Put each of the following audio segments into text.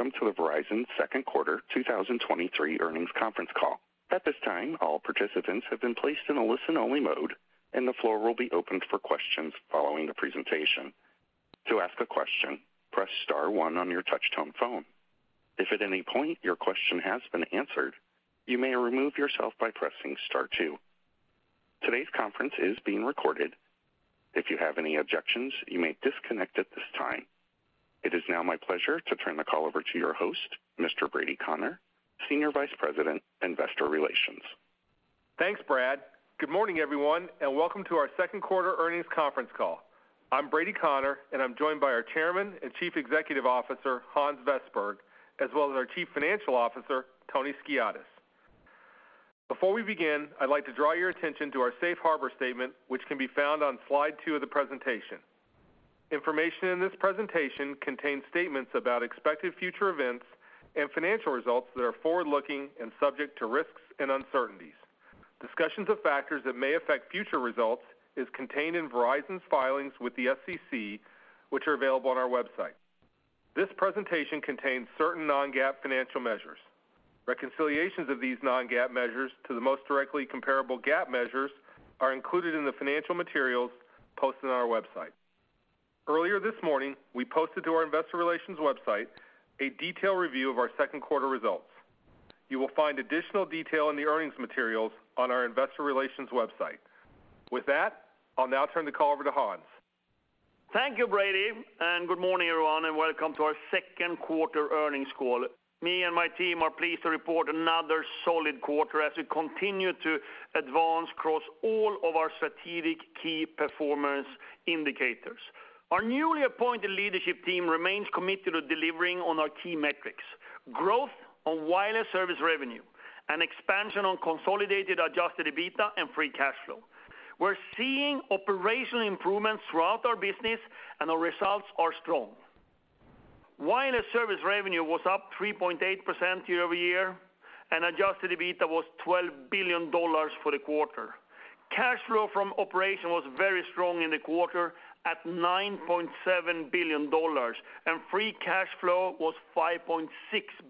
Welcome to the Verizon Q2 2023 earnings conference call. At this time, all participants have been placed in a listen-only mode. The floor will be opened for questions following the presentation. To ask a question, press star one on your touchtone phone. If at any point your question has been answered, you may remove yourself by pressing star two. Today's conference is being recorded. If you have any objections, you may disconnect at this time. It is now my pleasure to turn the call over to your host, Mr. Brady Connor, Senior Vice President, Investor Relations. Thanks, Brad. Good morning, everyone, and welcome to our Q2 earnings conference call. I'm Brady Connor, and I'm joined by our Chairman and Chief Executive Officer, Hans Vestberg, as well as our Chief Financial Officer, Tony Skiadas. Before we begin, I'd like to draw your attention to our safe harbor statement, which can be found on slide 2 of the presentation. Information in this presentation contains statements about expected future events and financial results that are forward-looking and subject to risks and uncertainties. Discussions of factors that may affect future results is contained in Verizon's filings with the SEC, which are available on our website. This presentation contains certain non-GAAP financial measures. Reconciliations of these non-GAAP measures to the most directly comparable GAAP measures are included in the financial materials posted on our website. Earlier this morning, we posted to our investor relations website a detailed review of our Q2 results. You will find additional detail in the earnings materials on our investor relations website. With that, I'll now turn the call over to Hans. Thank you, Brady, good morning, everyone, and welcome to our Q2 earnings call. Me and my team are pleased to report another solid quarter as we continue to advance across all of our strategic key performance indicators. Our newly appointed leadership team remains committed to delivering on our key metrics, growth on wireless service revenue, and expansion on consolidated adjusted EBITDA and free cash flow. We're seeing operational improvements throughout our business, and our results are strong. Wireless service revenue was up 3.8% year-over-year, and adjusted EBITDA was $12 billion for the quarter. Cash flow from operation was very strong in the quarter at $9.7 billion, and free cash flow was $5.6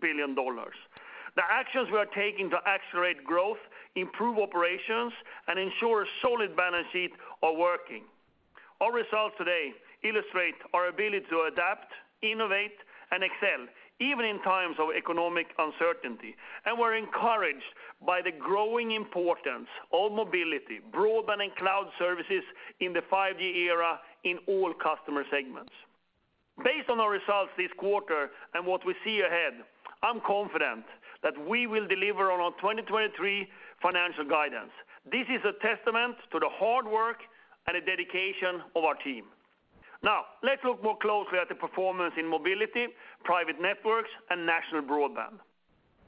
billion. The actions we are taking to accelerate growth, improve operations, and ensure a solid balance sheet are working. Our results today illustrate our ability to adapt, innovate, and excel, even in times of economic uncertainty. We're encouraged by the growing importance of mobility, broadband, and cloud services in the 5G era in all customer segments. Based on our results this quarter and what we see ahead, I'm confident that we will deliver on our 2023 financial guidance. This is a testament to the hard work and the dedication of our team. Now, let's look more closely at the performance in mobility, private networks, and national broadband.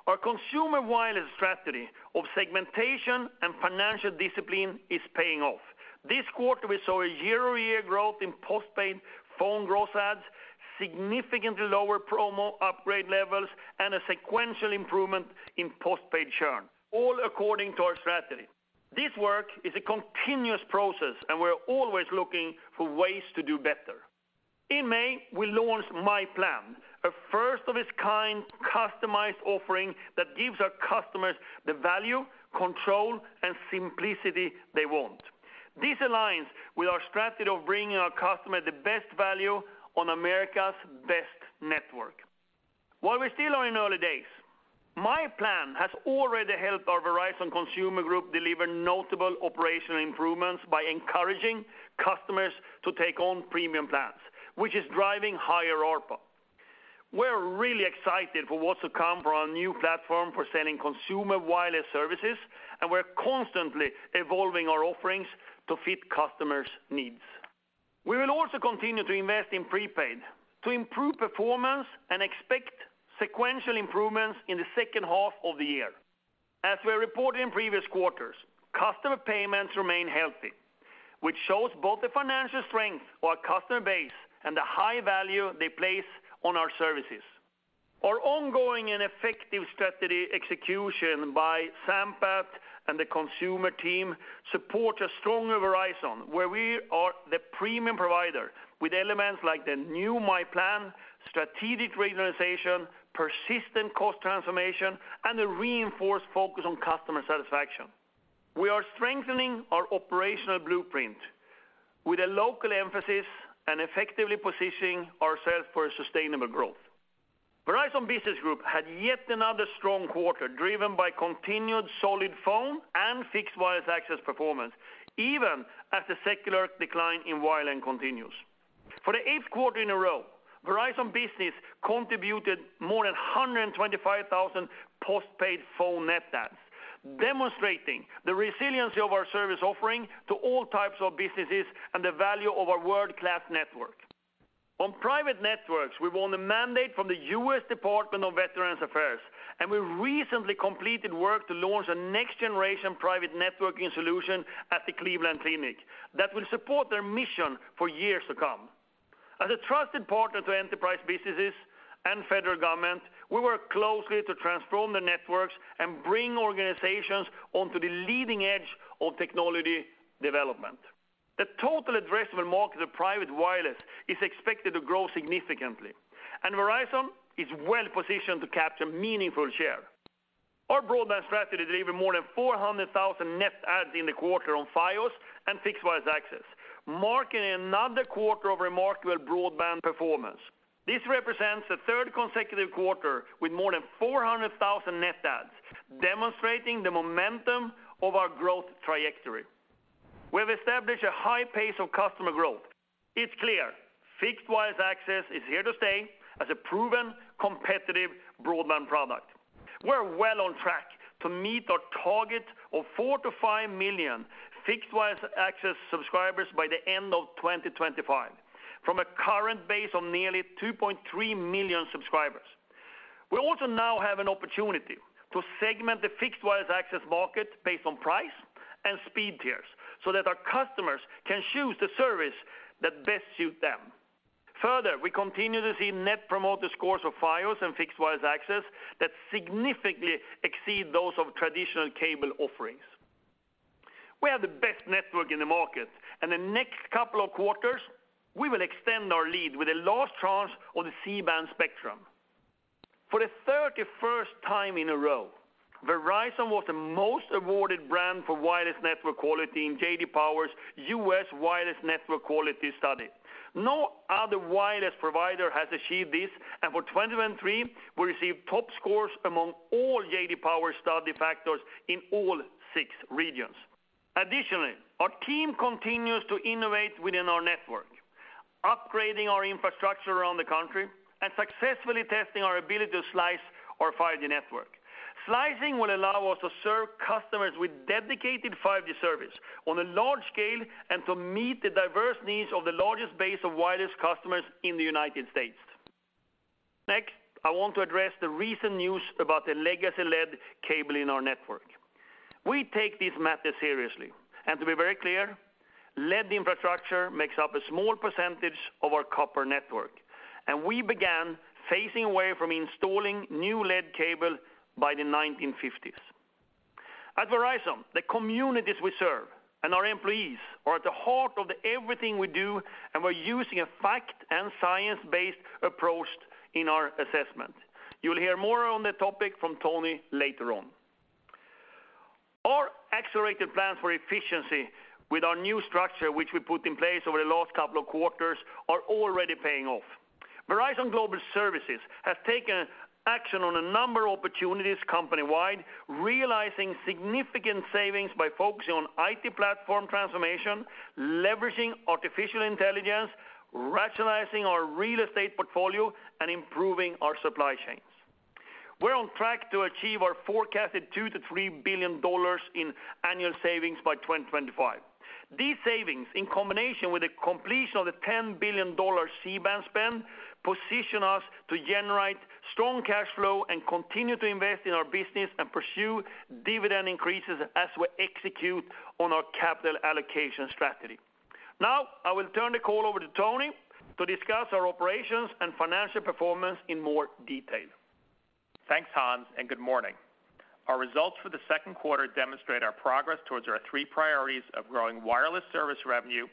Our consumer wireless strategy of segmentation and financial discipline is paying off. This quarter, we saw a year-over-year growth in postpaid phone gross adds, significantly lower promo upgrade levels, and a sequential improvement in postpaid churn, all according to our strategy. This work is a continuous process, and we're always looking for ways to do better. In May, we launched myPlan, a first of its kind customized offering that gives our customers the value, control, and simplicity they want. This aligns with our strategy of bringing our customer the best value on America's best network. While we still are in early days, myPlan has already helped our Verizon Consumer Group deliver notable operational improvements by encouraging customers to take on premium plans, which is driving higher ARPA. We're really excited for what's to come from our new platform for sending consumer wireless services, and we're constantly evolving our offerings to fit customers' needs. We will also continue to invest in prepaid to improve performance and expect sequential improvements in the H2 of the year. As we reported in previous quarters, customer payments remain healthy, which shows both the financial strength of our customer base and the high value they place on our services. Our ongoing and effective strategy execution by Sampath and the consumer team support a stronger Verizon, where we are the premium provider with elements like the new myPlan, strategic realization, persistent cost transformation, and a reinforced focus on customer satisfaction. We are strengthening our operational blueprint with a local emphasis and effectively positioning ourselves for sustainable growth. Verizon Business Group had yet another strong quarter, driven by continued solid phone and Fixed Wireless Access performance, even as the secular decline in wireline continues. For the eighth quarter in a row, Verizon Business contributed more than 125,000 postpaid phone net adds, demonstrating the resiliency of our service offering to all types of businesses and the value of our world-class network. On private networks, we won a mandate from the US Department of Veterans Affairs, and we recently completed work to launch a next-generation private networking solution at the Cleveland Clinic that will support their mission for years to come. As a trusted partner to enterprise businesses and federal government, we work closely to transform the networks and bring organizations onto the leading edge of technology development. The total addressable market of private wireless is expected to grow significantly, and Verizon is well positioned to capture meaningful share. Our broadband strategy delivered more than 400,000 net adds in the quarter on Fios and Fixed Wireless Access, marking another quarter of remarkable broadband performance. This represents the third consecutive quarter with more than 400,000 net adds, demonstrating the momentum of our growth trajectory. We have established a high pace of customer growth. It's clear, Fixed Wireless Access is here to stay as a proven, competitive broadband product. We're well on track to meet our target of 4-5 million Fixed Wireless Access subscribers by the end of 2025, from a current base of nearly 2.3 million subscribers. We also now have an opportunity to segment the Fixed Wireless Access market based on price and speed tiers, so that our customers can choose the service that best suit them. Further, we continue to see Net Promoter Scores of Fios and Fixed Wireless Access that significantly exceed those of traditional cable offerings. The next couple of quarters, we will extend our lead with a last charge on the C-band spectrum. For the 31st time in a row, Verizon was the most awarded brand for wireless network quality in J.D. Power's U.S. Wireless Network Quality Study. No other wireless provider has achieved this, and for 2023, we received top scores among all J.D. Power study factors in all six regions. Our team continues to innovate within our network, upgrading our infrastructure around the country and successfully testing our ability to slice our 5G network. Slicing will allow us to serve customers with dedicated 5G service on a large scale and to meet the diverse needs of the largest base of wireless customers in the United States. I want to address the recent news about the legacy lead cable in our network. We take this matter seriously, and to be very clear, lead infrastructure makes up a small percentage of our copper network, and we began phasing away from installing new lead cable by the 1950s. At Verizon, the communities we serve and our employees are at the heart of everything we do. We're using a fact and science-based approach in our assessment. You'll hear more on the topic from Tony later on. Our accelerated plans for efficiency with our new structure, which we put in place over the last couple of quarters, are already paying off. Verizon Global Services has taken action on a number of opportunities company-wide, realizing significant savings by focusing on IT platform transformation, leveraging artificial intelligence, rationalizing our real estate portfolio, and improving our supply chains. We're on track to achieve our forecasted $2 billion-$3 billion in annual savings by 2025. These savings, in combination with the completion of the $10 billion C-band spend, position us to generate strong cash flow and continue to invest in our business and pursue dividend increases as we execute on our capital allocation strategy. I will turn the call over to Tony to discuss our operations and financial performance in more detail. Thanks, Hans. Good morning. Our results for the Q2 demonstrate our progress towards our three priorities of growing wireless service revenue,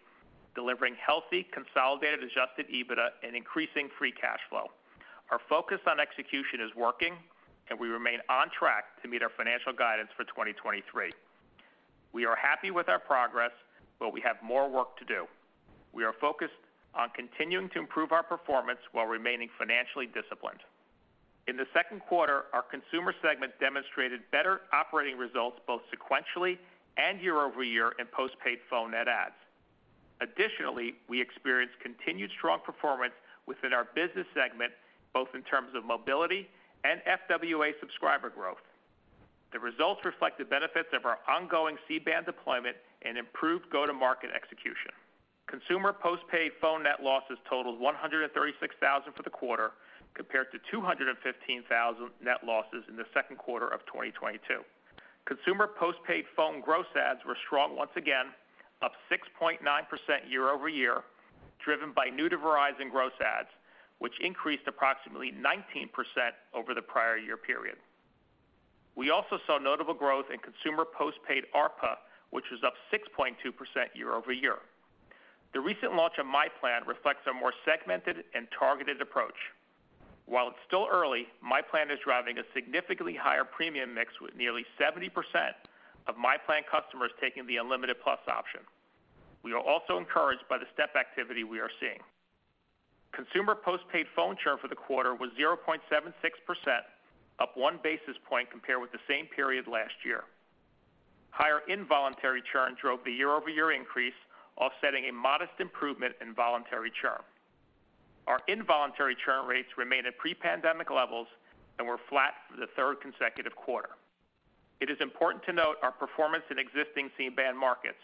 delivering healthy, consolidated, adjusted EBITDA, and increasing free cash flow. Our focus on execution is working. We remain on track to meet our financial guidance for 2023. We are happy with our progress. We have more work to do. We are focused on continuing to improve our performance while remaining financially disciplined. In the Q2, our consumer segment demonstrated better operating results, both sequentially and year-over-year in postpaid phone net adds. Additionally, we experienced continued strong performance within our business segment, both in terms of mobility and FWA subscriber growth. The results reflect the benefits of our ongoing C-band deployment and improved go-to-market execution. Consumer postpaid phone net losses totaled 136,000 for the quarter, compared to 215,000 net losses in the Q2 of 2022. Consumer postpaid phone gross adds were strong once again, up 6.9% year-over-year, driven by new to Verizon gross adds, which increased approximately 19% over the prior year period. We also saw notable growth in consumer postpaid ARPA, which was up 6.2% year-over-year. The recent launch of myPlan reflects a more segmented and targeted approach. While it's still early, myPlan is driving a significantly higher premium mix, with nearly 70% of myPlan customers taking the Unlimited Plus option. We are also encouraged by the step activity we are seeing. Consumer postpaid phone churn for the quarter was 0.76%, up 1 basis point compared with the same period last year. Higher involuntary churn drove the year-over-year increase, offsetting a modest improvement in voluntary churn. Our involuntary churn rates remain at pre-pandemic levels and were flat for the third consecutive quarter. It is important to note our performance in existing C-band markets.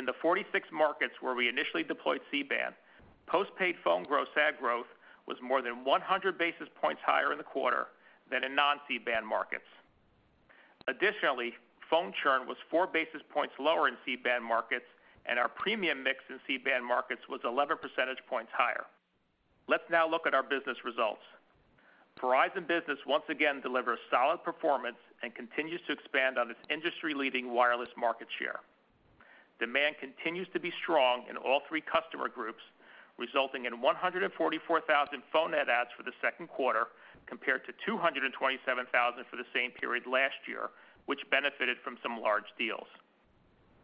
In the 46 markets where we initially deployed C-band, postpaid phone gross add growth was more than 100 basis points higher in the quarter than in non-C-band markets. Additionally, phone churn was 4 basis points lower in C-band markets, and our premium mix in C-band markets was 11 percentage points higher. Let's now look at our business results. Verizon Business once again delivers solid performance and continues to expand on its industry-leading wireless market share. Demand continues to be strong in all three customer groups, resulting in 144,000 phone net adds for the Q2, compared to 227,000 for the same period last year, which benefited from some large deals.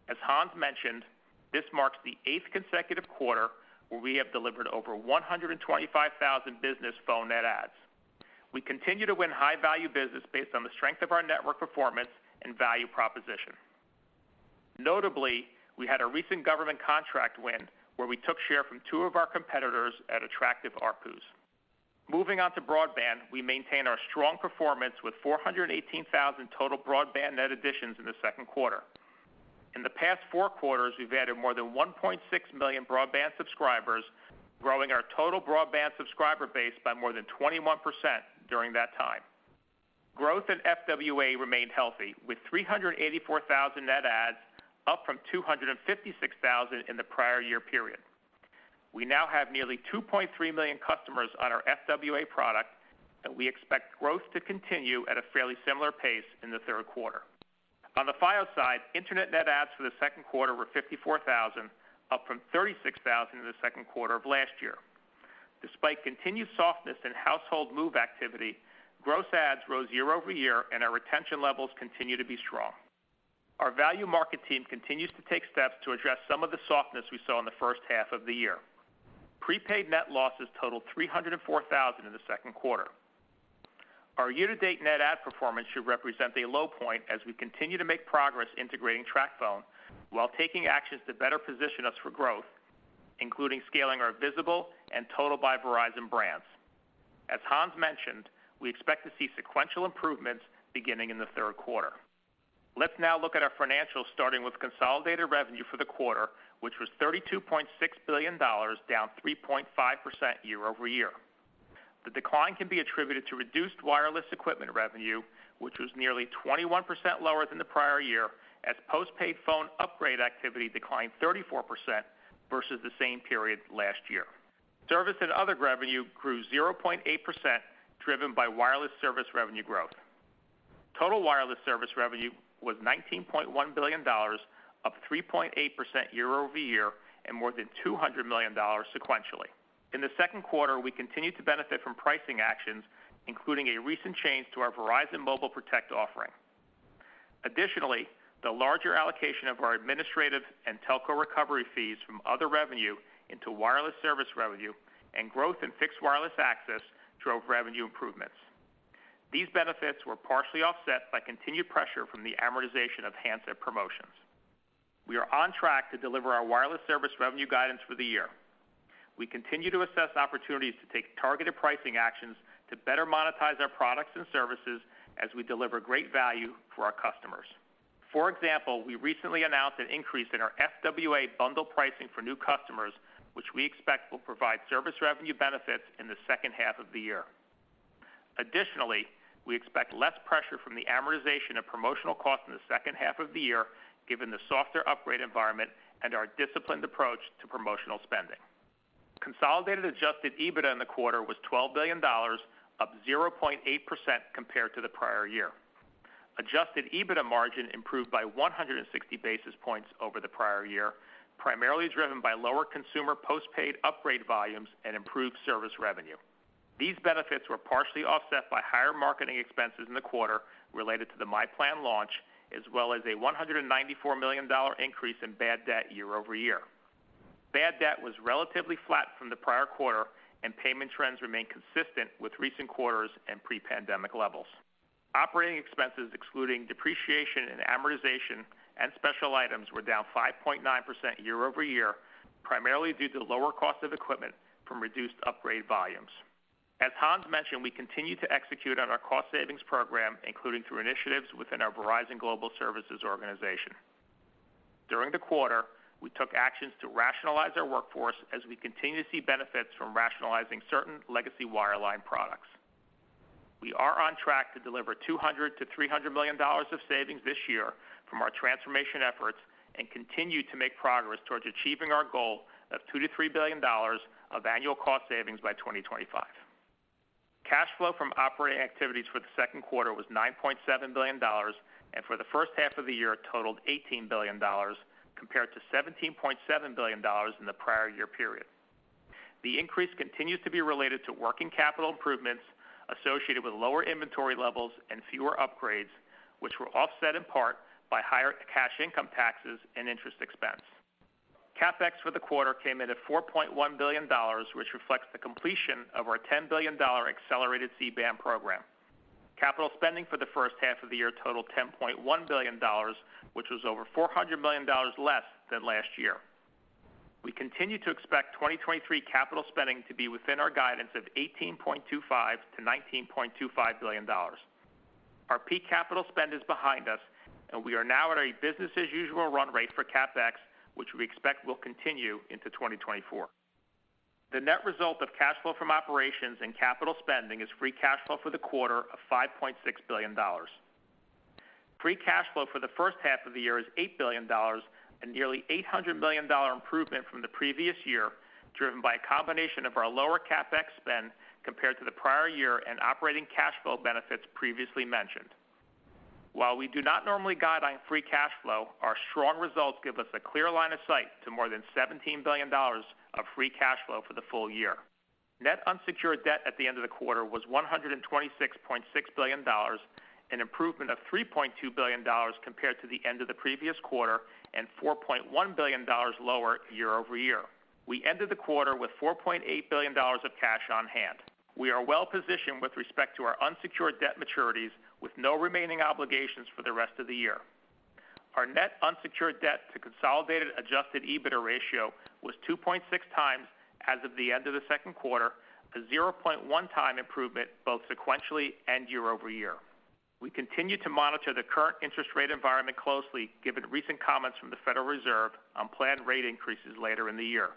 As Hans mentioned, this marks the eighth consecutive quarter where we have delivered over 125,000 business phone net adds. We continue to win high-value business based on the strength of our network performance and value proposition. Notably, we had a recent government contract win, where we took share from 2 of our competitors at attractive ARPUs. Moving on to broadband, we maintain our strong performance with 418,000 total broadband net additions in the Q2. In the past four quarters, we've added more than 1.6 million broadband subscribers, growing our total broadband subscriber base by more than 21% during that time. Growth in FWA remained healthy, with 384,000 net adds, up from 256,000 in the prior year period. We now have nearly 2.3 million customers on our FWA product, and we expect growth to continue at a fairly similar pace in the third quarter. On the Fios side, internet net adds for the Q2 were 54,000, up from 36,000 in the Q2 of last year. Despite continued softness in household move activity, gross adds rose year-over-year, and our retention levels continue to be strong. Our value market team continues to take steps to address some of the softness we saw in the H1 of the year. Prepaid net losses totaled $304,000 in the Q2. Our year-to-date net add performance should represent a low point as we continue to make progress integrating TracFone, while taking actions to better position us for growth, including scaling our Visible and Total by Verizon brands. As Hans mentioned, we expect to see sequential improvements beginning in the third quarter. Let's now look at our financials, starting with consolidated revenue for the quarter, which was $32.6 billion, down 3.5% year-over-year. The decline can be attributed to reduced wireless equipment revenue, which was nearly 21% lower than the prior year, as postpaid phone upgrade activity declined 34% versus the same period last year. Service and other revenue grew 0.8%, driven by wireless service revenue growth. Total wireless service revenue was $19.1 billion, up 3.8% year-over-year, and more than $200 million sequentially. In the Q2, we continued to benefit from pricing actions, including a recent change to our Verizon Mobile Protect offering. Additionally, the larger allocation of our administrative and telco recovery fees from other revenue into wireless service revenue and growth in Fixed Wireless Access drove revenue improvements. These benefits were partially offset by continued pressure from the amortization of handset promotions. We are on track to deliver our wireless service revenue guidance for the year. We continue to assess opportunities to take targeted pricing actions to better monetize our products and services as we deliver great value for our customers. For example, we recently announced an increase in our FWA bundle pricing for new customers, which we expect will provide service revenue benefits in the H2 of the year. We expect less pressure from the amortization of promotional costs in the H2 of the year, given the softer upgrade environment and our disciplined approach to promotional spending. Consolidated adjusted EBITDA in the quarter was $12 billion, up 0.8% compared to the prior year. Adjusted EBITDA margin improved by 160 basis points over the prior year, primarily driven by lower consumer postpaid upgrade volumes and improved service revenue. These benefits were partially offset by higher marketing expenses in the quarter related to the myPlan launch, as well as a $194 million increase in bad debt year-over-year. Bad debt was relatively flat from the prior quarter, and payment trends remain consistent with recent quarters and pre-pandemic levels. Operating expenses, excluding depreciation and amortization and special items, were down 5.9% year-over-year, primarily due to lower cost of equipment from reduced upgrade volumes. As Hans mentioned, we continue to execute on our cost savings program, including through initiatives within our Verizon Global Services organization. During the quarter, we took actions to rationalize our workforce as we continue to see benefits from rationalizing certain legacy wireline products. We are on track to deliver $200 million-$300 million of savings this year from our transformation efforts and continue to make progress towards achieving our goal of $2 billion-$3 billion of annual cost savings by 2025. Cash flow from operating activities for the Q2 was $9.7 billion. For the H1 of the year totaled $18 billion, compared to $17.7 billion in the prior-year period. The increase continues to be related to working capital improvements associated with lower inventory levels and fewer upgrades, which were offset in part by higher cash income taxes and interest expense. CapEx for the quarter came in at $4.1 billion, which reflects the completion of our $10 billion accelerated C-band program. Capital spending for the H1 of the year totaled $10.1 billion, which was over $400 million less than last year. We continue to expect 2023 capital spending to be within our guidance of $18.25 billion-$19.25 billion. Our peak capital spend is behind us. We are now at a business-as-usual run rate for CapEx, which we expect will continue into 2024. The net result of cash flow from operations and capital spending is free cash flow for the quarter of $5.6 billion. Free cash flow for the H1 of the year is $8 billion, and nearly $800 million improvement from the previous year, driven by a combination of our lower CapEx spend compared to the prior year and operating cash flow benefits previously mentioned. While we do not normally guide on free cash flow, our strong results give us a clear line of sight to more than $17 billion of free cash flow for the full year. Net unsecured debt at the end of the quarter was $126.6 billion, an improvement of $3.2 billion compared to the end of the previous quarter, and $4.1 billion lower year-over-year. We ended the quarter with $4.8 billion of cash on hand. We are well positioned with respect to our unsecured debt maturities, with no remaining obligations for the rest of the year. Our net unsecured debt to consolidated adjusted EBITDA ratio was 2.6 times as of the end of the Q2, a 0.1 time improvement, both sequentially and year-over-year. We continue to monitor the current interest rate environment closely, given recent comments from the Federal Reserve on planned rate increases later in the year.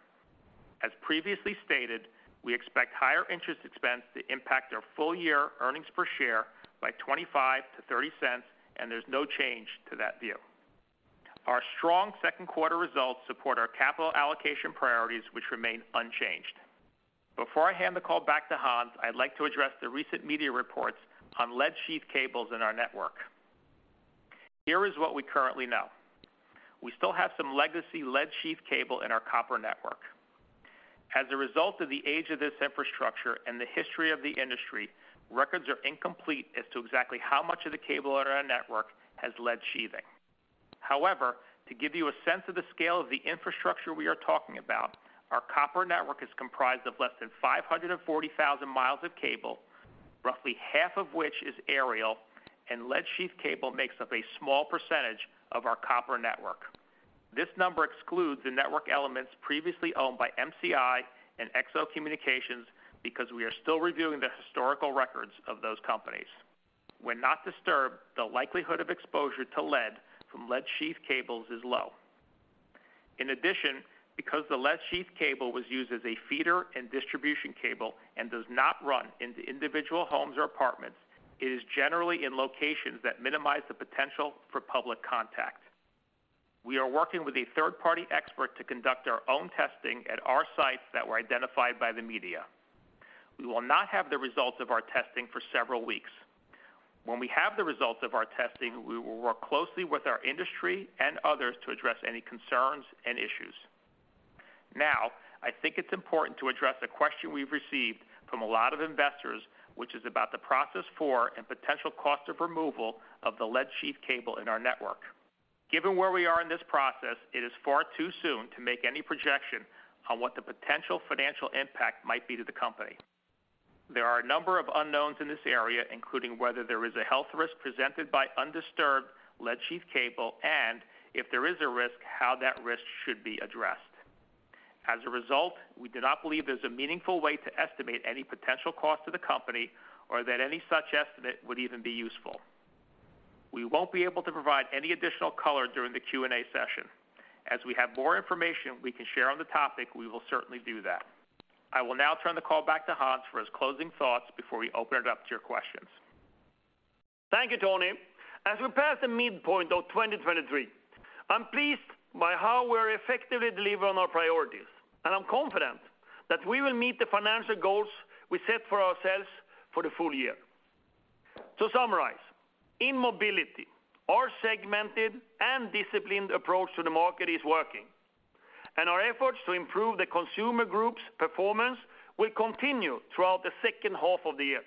As previously stated, we expect higher interest expense to impact our full-year earnings per share by $0.25-$0.30, and there's no change to that view. Our strong Q2 results support our capital allocation priorities, which remain unchanged. Before I hand the call back to Hans, I'd like to address the recent media reports on lead sheath cables in our network. Here is what we currently know. We still have some legacy lead sheath cable in our copper network. As a result of the age of this infrastructure and the history of the industry, records are incomplete as to exactly how much of the cable on our network has lead sheathing. To give you a sense of the scale of the infrastructure we are talking about, our copper network is comprised of less than 540,000 miles of cable, roughly half of which is aerial, and lead sheath cable makes up a small % of our copper network. This number excludes the network elements previously owned by MCI and XO Communications, because we are still reviewing the historical records of those companies. When not disturbed, the likelihood of exposure to lead from lead sheath cables is low. Because the lead sheath cable was used as a feeder and distribution cable and does not run into individual homes or apartments, it is generally in locations that minimize the potential for public contact. We are working with a third-party expert to conduct our own testing at our sites that were identified by the media. We will not have the results of our testing for several weeks. When we have the results of our testing, we will work closely with our industry and others to address any concerns and issues. I think it's important to address a question we've received from a lot of investors, which is about the process for and potential cost of removal of the lead sheath cable in our network. Given where we are in this process, it is far too soon to make any projection on what the potential financial impact might be to the company. There are a number of unknowns in this area, including whether there is a health risk presented by undisturbed lead sheath cable, and if there is a risk, how that risk should be addressed. As a result, we do not believe there's a meaningful way to estimate any potential cost to the company or that any such estimate would even be useful. We won't be able to provide any additional color during the Q&A session. As we have more information we can share on the topic, we will certainly do that. I will now turn the call back to Hans for his closing thoughts before we open it up to your questions. Thank you, Tony. As we pass the midpoint of 2023, I'm pleased by how we're effectively delivering on our priorities, I'm confident that we will meet the financial goals we set for ourselves for the full year. To summarize, in mobility, our segmented and disciplined approach to the market is working, our efforts to improve the Consumer Group's performance will continue throughout the H2 of the year.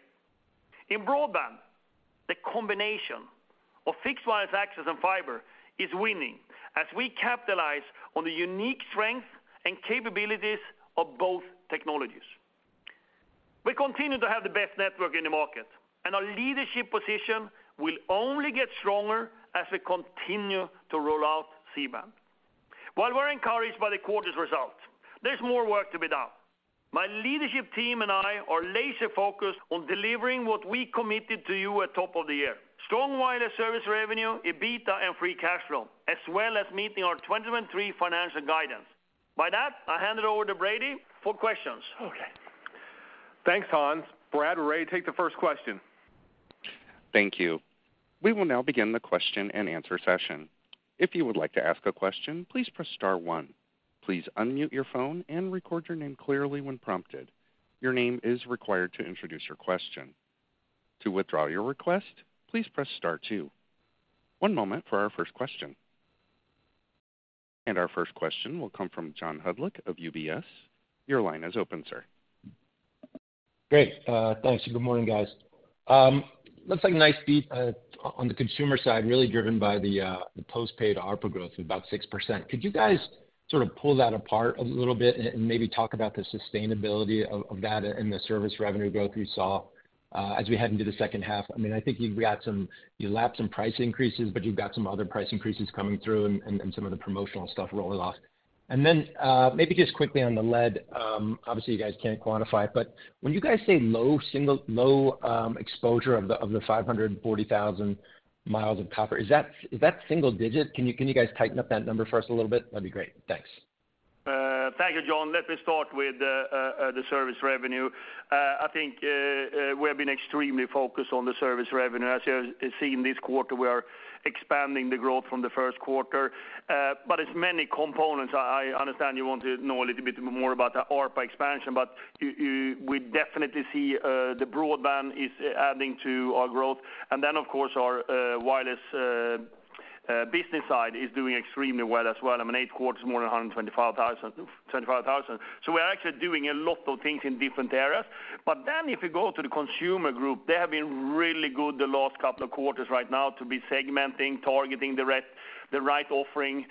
In broadband, the combination of Fixed Wireless Access and fiber is winning as we capitalize on the unique strengths and capabilities of both technologies. We continue to have the best network in the market, our leadership position will only get stronger as we continue to roll out C-band. While we're encouraged by the quarter's results, there's more work to be done. My leadership team and I are laser-focused on delivering what we committed to you at top of the year. Strong wireless service revenue, EBITDA, and free cash flow, as well as meeting our 2023 financial guidance. By that, I hand it over to Brady for questions. Okay. Thanks, Hans. Brad, we're ready to take the first question. Thank you. We will now begin the question-and-answer session. If you would like to ask a question, please press star one. Please unmute your phone and record your name clearly when prompted. Your name is required to introduce your question. To withdraw your request, please press star two. One moment for our first question. Our first question will come from John Hodulik of UBS. Your line is open, sir. Great. Thanks, and good morning, guys. Looks like a nice beat on the consumer side, really driven by the postpaid ARPA growth of about 6%. Could you guys sort of pull that apart a little bit and maybe talk about the sustainability of that and the service revenue growth you saw as we head into the H2? I mean, I think you've got some you lapped some price increases, but you've got some other price increases coming through and, and some of the promotional stuff rolling off. And then, maybe just quickly on the lead, obviously, you guys can't quantify it, but when you guys say low low exposure of the, of the 540,000 miles of copper, is that, is that single digit? Can you guys tighten up that number for us a little bit? That'd be great. Thanks. Let me start with the service revenue. I think we have been extremely focused on the service revenue. As you have seen this quarter, we are expanding the growth from the Q1. It's many components. I understand you want to know a little bit more about the ARPA expansion, but we definitely see the broadband is adding to our growth. Of course, our wireless business side is doing extremely well as well. I mean, eight quarters, more than 125,000. We are actually doing a lot of things in different areas. If you go to the Consumer Group, they have been really good the last couple of quarters right now to be segmenting, targeting the right offering,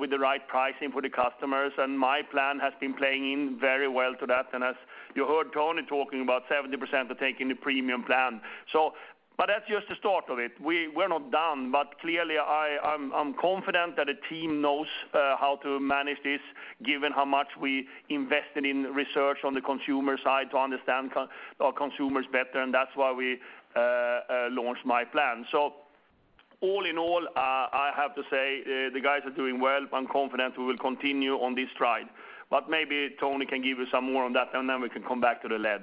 with the right pricing for the customers. myPlan has been playing in very well to that. As you heard Tony talking about 70% are taking the premium plan. That's just the start of it. We're not done, but clearly, I'm confident that the team knows how to manage this, given how much we invested in research on the consumer side to understand our consumers better, and that's why we launched myPlan. All in all, I have to say, the guys are doing well. I'm confident we will continue on this stride, but maybe Tony can give you some more on that, and then we can come back to the lead.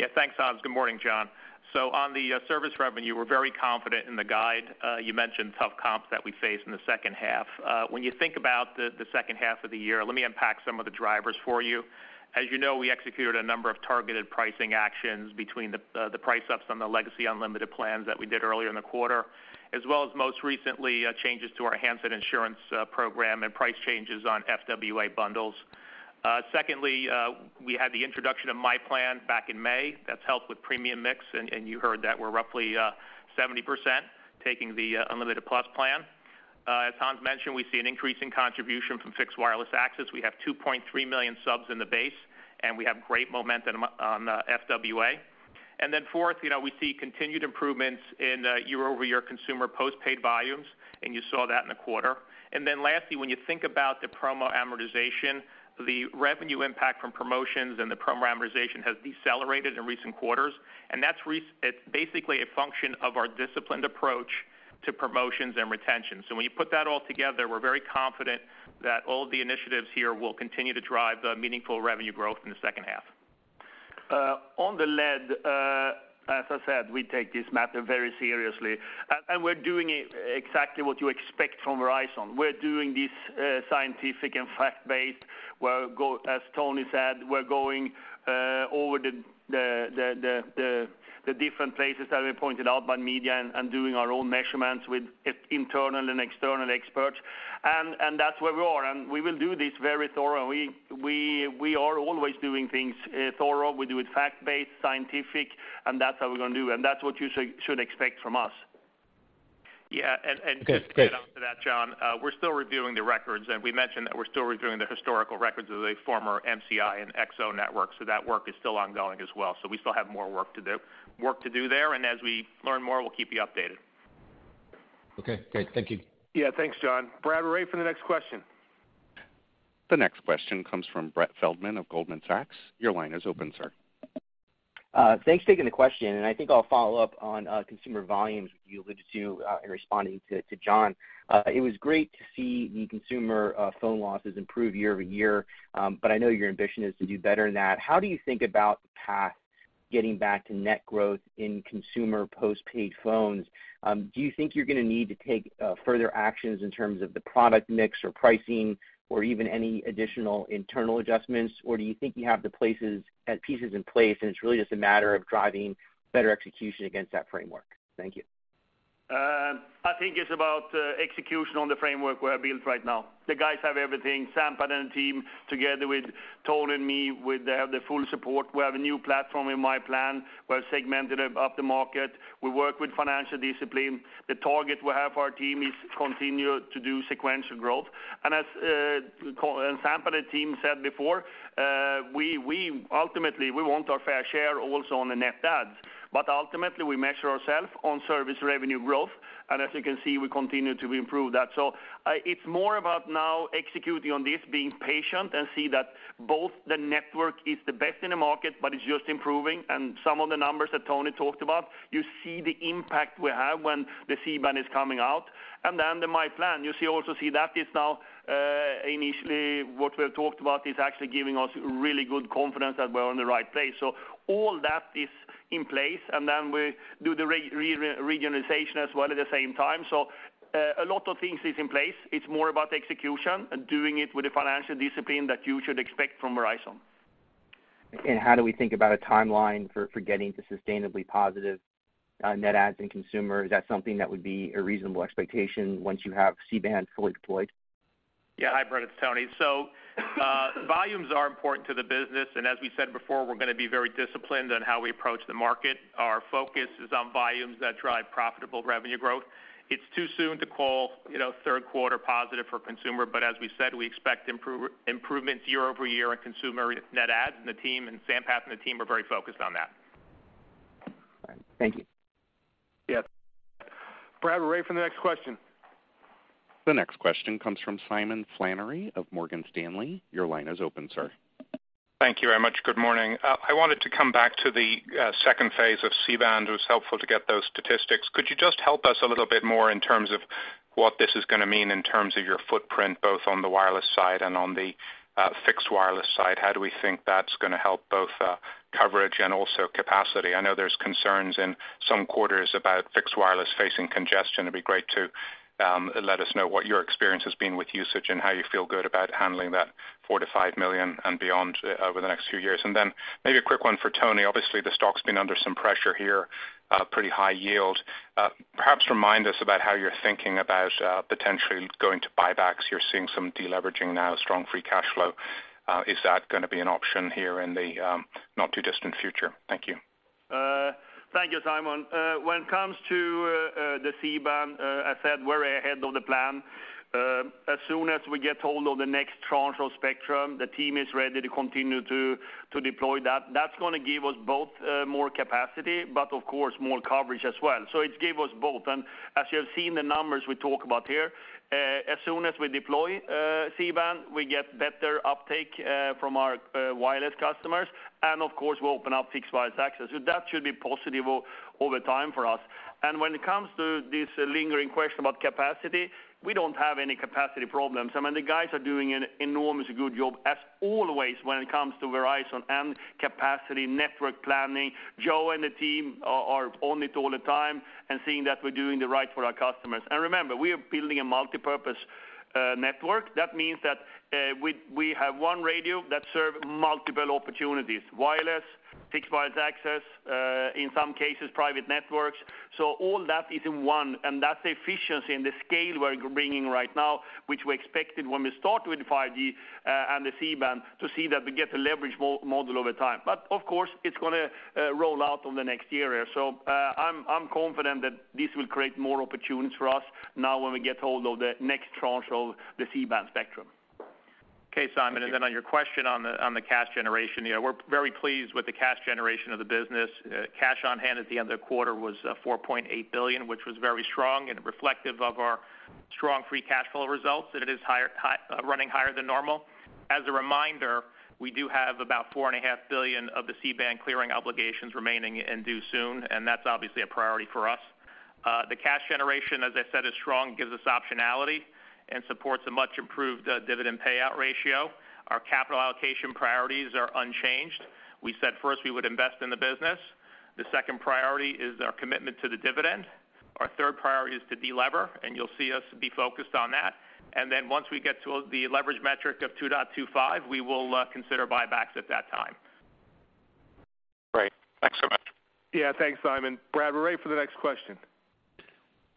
Yeah, thanks, Hans. Good morning, John. On the service revenue, we're very confident in the guide. You mentioned tough comps that we face in the H2. When you think about the H2 of the year, let me unpack some of the drivers for you. You know, we executed a number of targeted pricing actions between the price ups on the legacy unlimited plans that we did earlier in the quarter, as well as most recently, changes to our handset insurance program and price changes on FWA bundles. Secondly, we had the introduction of myPlan back in May. That's helped with premium mix, and you heard that we're roughly 70% taking the Unlimited Plus plan. As Hans mentioned, we see an increase in contribution from Fixed Wireless Access. We have 2.3 million subs in the base, and we have great momentum on FWA. Fourth, you know, we see continued improvements in year-over-year consumer postpaid volumes, and you saw that in the quarter. Lastly, when you think about the promo amortization, the revenue impact from promotions and the promo amortization has decelerated in recent quarters, and it's basically a function of our disciplined approach to promotions and retention. When you put that all together, we're very confident that all the initiatives here will continue to drive the meaningful revenue growth in the H2. On the lead, as I said, we take this matter very seriously, and we're doing it exactly what you expect from Verizon. We're doing this scientific and fact-based, as Tony said, we're going over the different places that were pointed out by media and doing our own measurements with internal and external experts, and that's where we are. We will do this very thorough. We are always doing things thorough. We do it fact-based, scientific, and that's how we're going to do, and that's what you should expect from us. Yeah. Okay, great. Just to add on to that, John, we're still reviewing the records. We mentioned that we're still reviewing the historical records of the former MCI and XO networks. That work is still ongoing as well. We still have more work to do there. As we learn more, we'll keep you updated. Okay, great. Thank you. Yeah, thanks, John. Operator, for the next question. The next question comes from Brett Feldman of Goldman Sachs. Your line is open, sir. Thanks for taking the question, and I think I'll follow up on consumer volumes you alluded to in responding to John. It was great to see the consumer phone losses improve year-over-year, but I know your ambition is to do better than that. How do you think about the path getting back to net growth in consumer postpaid phones? Do you think you're going to need to take further actions in terms of the product mix or pricing or even any additional internal adjustments? Do you think you have the places, pieces in place, and it's really just a matter of driving better execution against that framework? Thank you. I think it's about execution on the framework we have built right now. The guys have everything, Sampath and the team, together with Tony and me, we have the full support. We have a new platform in myPlan. We have segmented up the market. We work with financial discipline. The target we have for our team is continue to do sequential growth. As and Sampath and the team said before, we ultimately want our fair share also on the net adds, but ultimately, we measure ourselves on service revenue growth, and as you can see, we continue to improve that. It's more about now executing on this, being patient and see that both the network is the best in the market, but it's just improving. Some of the numbers that Tony talked about, you see the impact we have when the C-band is coming out. Then the myPlan, you also see that is now, initially what we have talked about is actually giving us really good confidence that we're on the right place. All that is in place, and then we do the regionalization as well at the same time. A lot of things is in place. It's more about execution and doing it with the financial discipline that you should expect from Verizon. How do we think about a timeline for getting to sustainably positive net adds in consumer? Is that something that would be a reasonable expectation once you have C-band fully deployed? Hi, Brett, it's Tony. Volumes are important to the business. As we said before, we're going to be very disciplined on how we approach the market. Our focus is on volumes that drive profitable revenue growth. It's too soon to call, you know, third quarter positive for consumer. As we said, we expect improvements year-over-year in consumer net adds, the team, and Sampath and the team are very focused on that. Thank you. Yes. Operator, for the next question. The next question comes from Simon Flannery of Morgan Stanley. Your line is open, sir. Thank you very much. Good morning. I wanted to come back to the second phase of C-band. It was helpful to get those statistics. Could you just help us a little bit more in terms of what this is going to mean in terms of your footprint, both on the wireless side and on the fixed wireless side? How do we think that's going to help both coverage and also capacity? I know there's concerns in some quarters about fixed wireless facing congestion. It'd be great to let us know what your experience has been with usage and how you feel good about handling that 4 million-5 million and beyond over the next few years. Then maybe a quick one for Tony. Obviously, the stock's been under some pressure here, a pretty high yield. Perhaps remind us about how you're thinking about potentially going to buybacks. You're seeing some deleveraging now, strong free cash flow. Is that going to be an option here in the not-too-distant future? Thank you. Thank you, Simon. When it comes to the C-band, I said we're ahead of the plan. As soon as we get hold of the next tranche of spectrum, the team is ready to continue to deploy that. That's going to give us both more capacity, but of course, more coverage as well. It give us both. As you have seen the numbers we talk about here, as soon as we deploy C-band, we get better uptake from our wireless customers, and of course, we open up Fixed Wireless Access. That should be positive over time for us. When it comes to this lingering question about capacity, we don't have any capacity problems. I mean, the guys are doing an enormously good job, as always, when it comes to Verizon and capacity, network planning. Joe and the team are on it all the time and seeing that we're doing the right for our customers. Remember, we are building a multipurpose network. That means that we have one radio that serve multiple opportunities, wireless, Fixed Wireless Access, in some cases, private networks. All that is in one, and that's the efficiency and the scale we're bringing right now, which we expected when we start with 5G and the C-band, to see that we get a leverage model over time. Of course, it's going to roll out on the next year or so. I'm confident that this will create more opportunities for us now when we get hold of the next tranche of the C-band spectrum. Okay, Simon, on your question on the cash generation, yeah, we're very pleased with the cash generation of the business. Cash on hand at the end of the quarter was $4.8 billion, which was very strong and reflective of our strong free cash flow results, and it is running higher than normal. As a reminder, we do have about $4.5 billion of the C-band clearing obligations remaining and due soon, that's obviously a priority for us. The cash generation, as I said, is strong, gives us optionality and supports a much improved dividend payout ratio. Our capital allocation priorities are unchanged. We said, first, we would invest in the business. The second priority is our commitment to the dividend. Our third priority is to delever, you'll see us be focused on that. Once we get to the leverage metric of 2.25, we will consider buybacks at that time. Great. Thanks so much. Yeah, thanks, Simon. Brad, we're ready for the next question.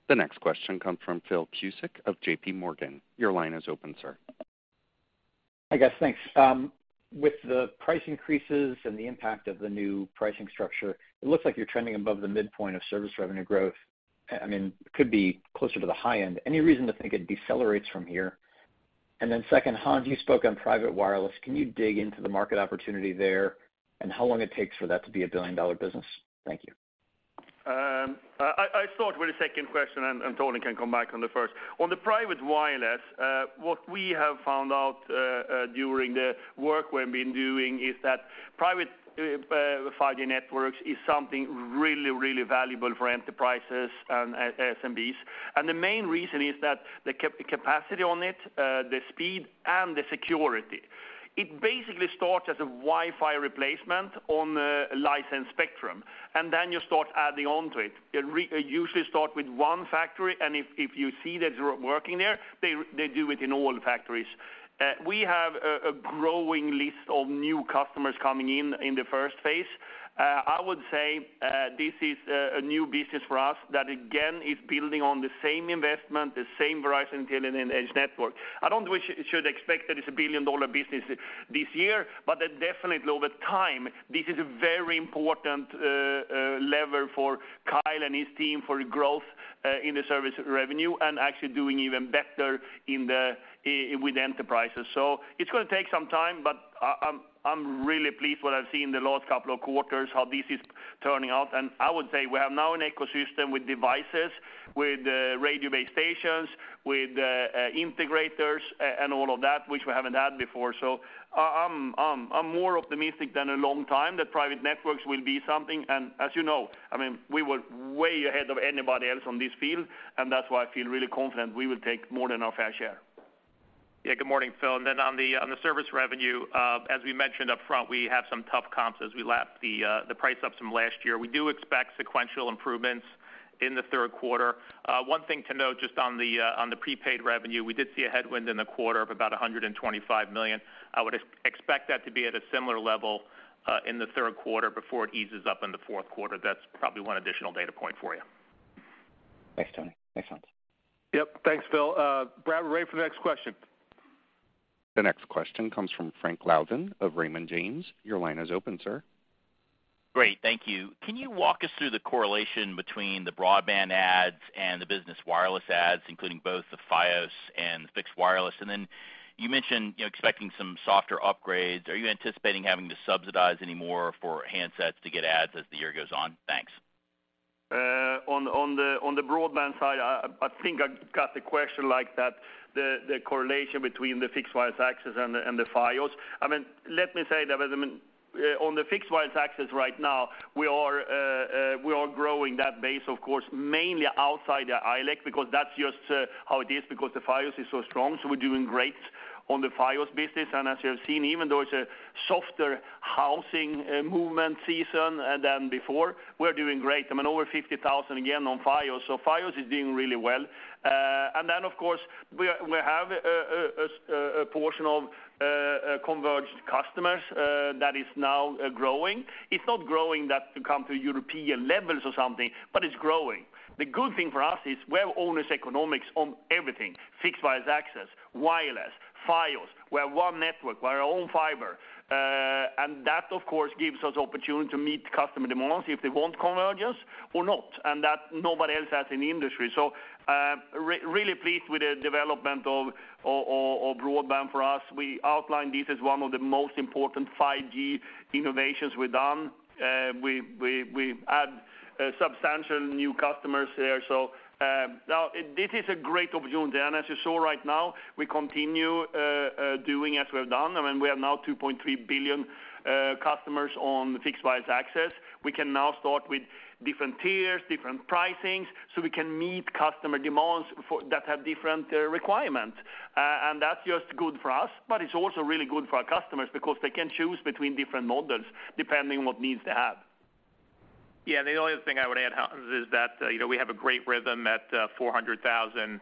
The next question comes from Phil Cusick of JPMorgan. Your line is open, sir. Hi, guys, thanks. With the price increases and the impact of the new pricing structure, it looks like you're trending above the midpoint of service revenue growth. I mean, could be closer to the high end. Any reason to think it decelerates from here? Second, Hans, you spoke on private wireless. Can you dig into the market opportunity there and how long it takes for that to be a billion-dollar business? Thank you. I'll start with the second question, and Tony can come back on the first. On the private wireless, what we have found out during the work we've been doing is that private 5G networks is something really, really valuable for enterprises and SMBs. The main reason is that the capacity on it, the speed and the security. It basically starts as a Wi-Fi replacement on a licensed spectrum, then you start adding on to it. It usually start with one factory, if you see that it's working there, they do it in all factories. We have a growing list of new customers coming in the first phase. I would say, this is a new business for us that, again, is building on the same investment, the same Verizon building and edge network. I don't should expect that it's a billion-dollar business this year, but that definitely, over time, this is a very important lever for Kyle and his team for growth in the service revenue and actually doing even better with enterprises. It's going to take some time, but I'm really pleased what I've seen in the last couple of quarters, how this is turning out. I would say we have now an ecosystem with devices, with radio-based stations, with integrators and all of that, which we haven't had before. I'm more optimistic than a long time that private networks will be something. As you know, I mean, we were way ahead of anybody else on this field, and that's why I feel really confident we will take more than our fair share. Good morning, Phil. On the service revenue, as we mentioned up front, we have some tough comps as we lap the price up from last year. We do expect sequential improvements in the third quarter. One thing to note, just on the prepaid revenue, we did see a headwind in the quarter of about $125 million. I would expect that to be at a similar level in the third quarter before it eases up in the Q4. That's probably one additional data point for you. Thanks, Tony. Makes sense. Yep, thanks, Phil. Brad, we're ready for the next question. The next question comes from Frank Louthan of Raymond James. Your line is open, sir. Great, thank you. Can you walk us through the correlation between the broadband ads and the business wireless ads, including both the Fios and the fixed wireless? You mentioned, you know, expecting some softer upgrades. Are you anticipating having to subsidize any more for handsets to get ads as the year goes on? Thanks. on the broadband side, I think I got the question like that, the correlation between the Fixed Wireless Access and the Fios. I mean, let me say that, I mean, on the Fixed Wireless Access right now, we are growing that base, of course, mainly outside the ILEC, because that's just how it is, because the Fios is so strong. We're doing great on the Fios business. As you have seen, even though it's a softer housing movement season than before, we're doing great. I mean, over 50,000 again on Fios. Fios is doing really well. Then, of course, we have a portion of converged customers that is now growing. It's not growing that to come to European levels or something, but it's growing. The good thing for us is we have owner's economics on everything, Fixed Wireless Access, wireless, Fios. We're one network, we're our own fiber, and that, of course, gives us opportunity to meet customer demands if they want convergence or not, and that nobody else has in the industry. Really pleased with the development of broadband for us. We outlined this as one of the most important 5G innovations we've done, we add substantial new customers there. Now, this is a great opportunity, and as you saw right now, we continue doing as we have done. I mean, we have now 2.3 billion customers on the Fixed Wireless Access. We can now start with different tiers, different pricings, so we can meet customer demands that have different requirements. That's just good for us, but it's also really good for our customers because they can choose between different models, depending what needs they have. Yeah, the only other thing I would add, Hans, is that, you know, we have a great rhythm at 400,000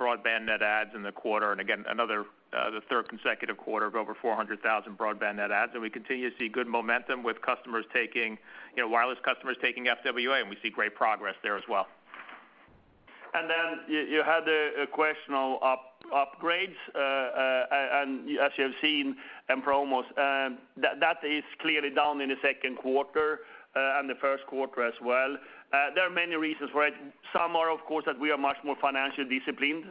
broadband net adds in the quarter, and again, another the third consecutive quarter of over 400,000 broadband net adds. We continue to see good momentum with customers taking, you know, wireless customers taking FWA, and we see great progress there as well. You had a question on upgrades, and as you have seen in promos, that is clearly down in the Q2 and the Q1 as well. There are many reasons for it. Some are, of course, that we are much more financially disciplined,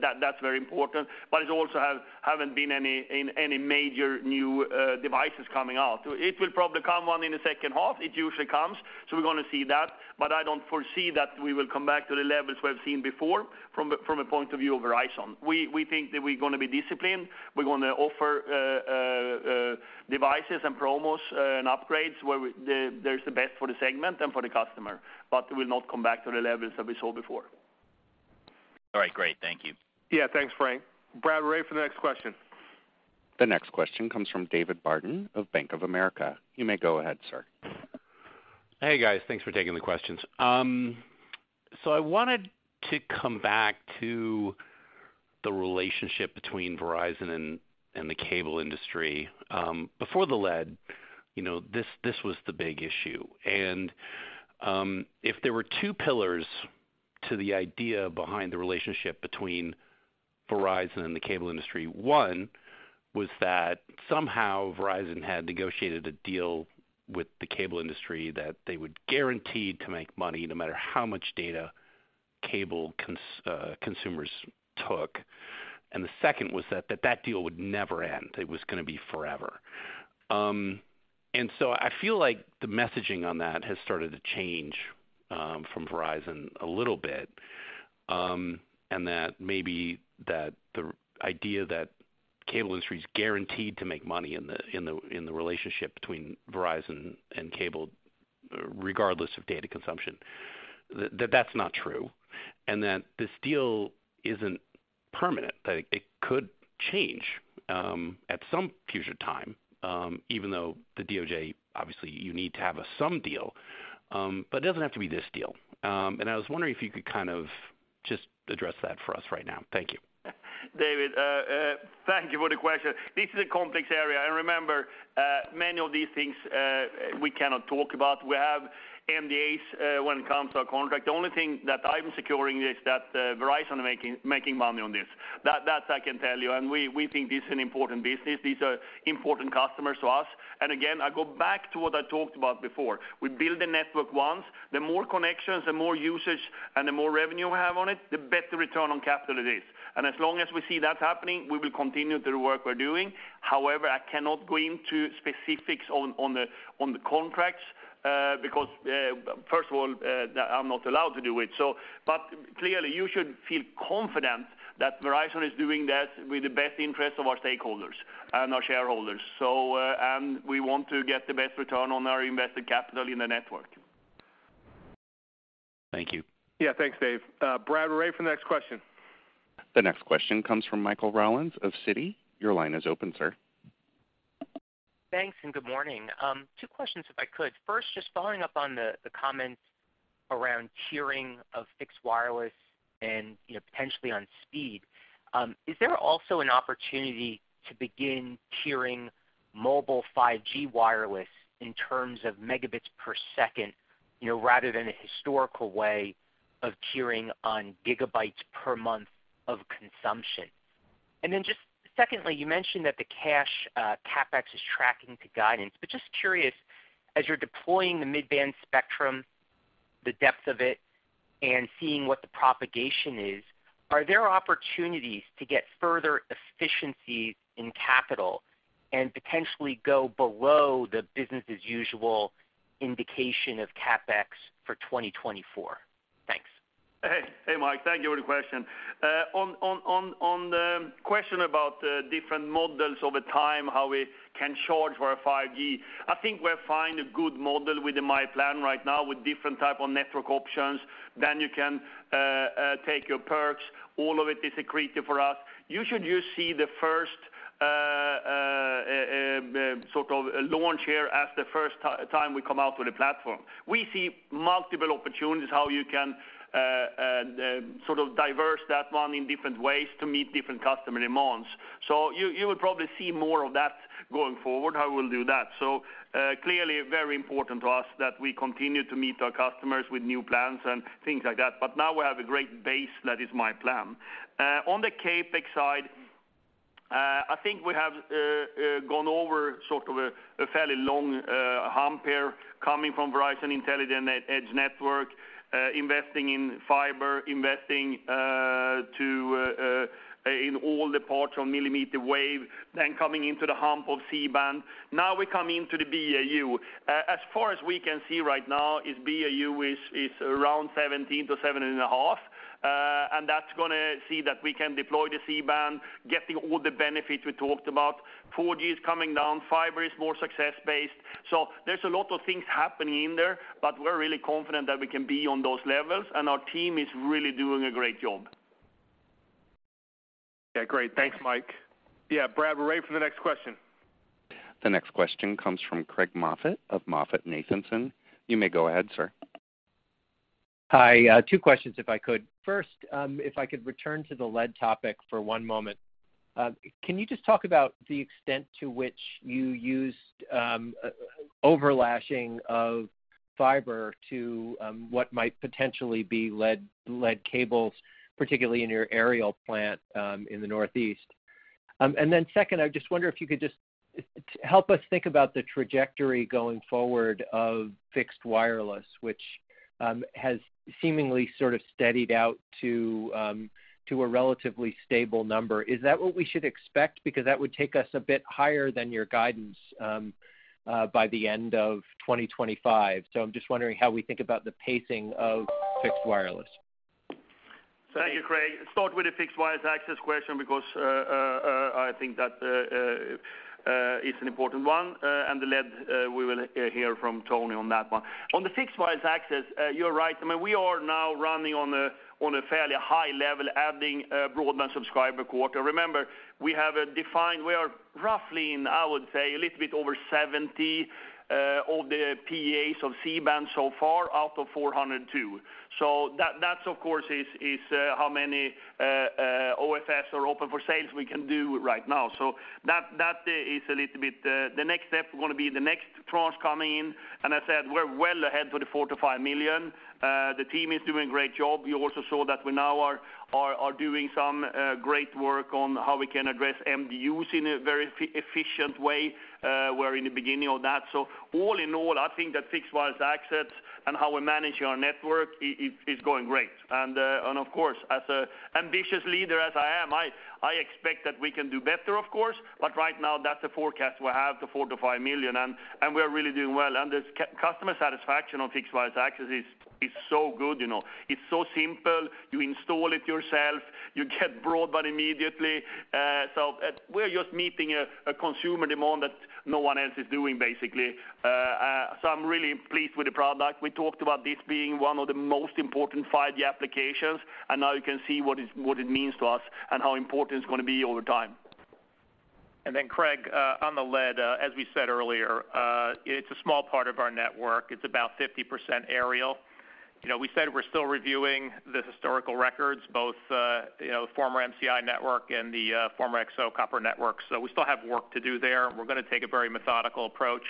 that's very important, but it also haven't been any major new devices coming out. It will probably come one in the H2. It usually comes, so we're gonna see that, but I don't foresee that we will come back to the levels we've seen before from a point of view of Verizon. We think that we're gonna be disciplined. We're gonna offer devices and promos and upgrades, where there's the best for the segment and for the customer, but it will not come back to the levels that we saw before. All right, great. Thank you. Yeah, thanks, Frank. Brad, we're ready for the next question. The next question comes from David Barden of Bank of America. You may go ahead, sir. Hey, guys. Thanks for taking the questions. I wanted to come back to the relationship between Verizon and the cable industry. Before the lead, you know, this was the big issue. If there were two pillars to the idea behind the relationship between Verizon and the cable industry, one, was that somehow Verizon had negotiated a deal with the cable industry that they would guaranteed to make money, no matter how much data cable consumers took, and the second was that that deal would never end. It was gonna be forever. I feel like the messaging on that has started to change from Verizon a little bit, and that maybe that the idea that cable industry is guaranteed to make money in the relationship between Verizon and cable, regardless of data consumption, that's not true, and that this deal isn't permanent, that it could change at some future time, even though the DOJ, obviously, you need to have a some deal, but it doesn't have to be this deal. I was wondering if you could kind of just address that for us right now. Thank you. David, thank you for the question. This is a complex area. Remember, many of these things, we cannot talk about. We have NDAs when it comes to our contract. The only thing that I'm securing is that Verizon making money on this. That I can tell you, and we think this is an important business. These are important customers to us. Again, I go back to what I talked about before. We build the network once. The more connections, the more usage, and the more revenue we have on it, the better return on capital it is. As long as we see that happening, we will continue the work we're doing. However, I cannot go into specifics on the contracts, because, first of all, I'm not allowed to do it. Clearly, you should feel confident that Verizon is doing that with the best interest of our stakeholders and our shareholders. And we want to get the best return on our invested capital in the network. Thank you. Yeah, thanks, Dave. Brad, we're ready for the next question. The next question comes from Michael Rollins of Citi. Your line is open, sir. Thanks, good morning. Two questions, if I could. First, just following up on the comments around tiering of Fixed Wireless and, you know, potentially on speed. Is there also an opportunity to begin tiering mobile 5G wireless in terms of megabits per second, you know, rather than a historical way of tiering on gigabytes per month of consumption? Just secondly, you mentioned that the cash CapEx is tracking to guidance, just curious, as you're deploying the mid-band spectrum, the depth of it,... and seeing what the propagation is, are there opportunities to get further efficiencies in capital and potentially go below the business as usual indication of CapEx for 2024? Thanks. Hey, Mike, thank you for the question. On the question about the different models over time, How we can charge for a 5G, I think we're finding a good model within myPlan right now with different type of network options. You can take your perks. All of it is accretive for us. You should just see the first sort of launch here as the first time we come out with a platform. We see multiple opportunities, how you can sort of diverse that one in different ways to meet different customer demands. You will probably see more of that going forward, how we'll do that. Clearly, very important to us that we continue to meet our customers with new plans and things like that. Now we have a great base. That is myPlan. On the CapEx side, I think we have gone over sort of a fairly long, hump here, coming from Verizon Intelligent Edge Network, investing in fiber, investing to in all the parts on millimeter wave, then coming into the hump of C-band. We come into the BAU. As far as we can see right now, is BAU is around 17 to 17.5, and that's gonna see that we can deploy the C-band, getting all the benefits we talked about. 4G is coming down, fiber is more success-based. There's a lot of things happening in there, but we're really confident that we can be on those levels, and our team is really doing a great job. Great. Thanks, Mike. Brad, we're ready for the next question. The next question comes from Craig Moffett of MoffettNathanson. You may go ahead, sir. Hi. 2 questions, if I could. First, if I could return to the lead topic for 1 moment. Can you just talk about the extent to which you used overlashing of fiber to what might potentially be lead cables, particularly in your aerial plant in the Northeast? Second, I just wonder if you could just help us think about the trajectory going forward of Fixed Wireless, which has seemingly sort of steadied out to a relatively stable number. Is that what we should expect? Because that would take us a bit higher than your guidance by the end of 2025. I'm just wondering how we think about the pacing of Fixed Wireless. Thank you, Craig. Start with the Fixed Wireless Access question, because I think that is an important one, and the lead, we will hear from Tony on that one. On the Fixed Wireless Access, you're right. I mean, we are now running on a fairly high level, adding broadband subscriber quarter. Remember, we are roughly in, I would say, a little bit over 70 all the PEAs of C-band so far, out of 402. That's, of course, is how many OFS or open for sales we can do right now. That is a little bit, the next step is gonna be the next tranche coming in. I said, we're well ahead for the 4 million-5 million. The team is doing a great job. You also saw that we now are doing some great work on how we can address MDUs in a very efficient way. We're in the beginning of that. All in all, I think that Fixed Wireless Access and how we're managing our network is going great. Of course, as an ambitious leader as I am, I expect that we can do better, of course, but right now, that's the forecast we have, the 4 million-5 million, and we are really doing well. The customer satisfaction on Fixed Wireless Access is so good, you know. It's so simple. You install it yourself, you get broadband immediately. We're just meeting a consumer demand that no one else is doing, basically. I'm really pleased with the product. We talked about this being one of the most important 5G applications, now you can see what it means to us and how important it's gonna be over time. Craig, on the lead, as we said earlier, it's a small part of our network. It's about 50% aerial. You know, we said we're still reviewing the historical records, both, you know, former MCI network and the former XO Copper network. We still have work to do there. We're gonna take a very methodical approach,